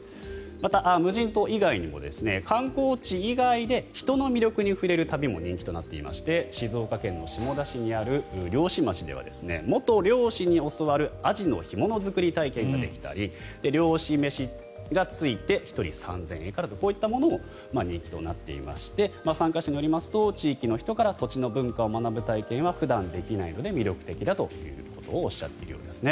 また、無人島以外にも観光地以外で人の魅力に触れる旅も人気となっていまして静岡県下田市にある漁師町では元漁師に教わるアジの干物作り体験ができたり漁師飯がついて１人３０００円からとこういったものも人気となっていまして参加者によりますと地域の人から土地の文化を学ぶ体験は普段できないので魅力的だということをおっしゃっているようです。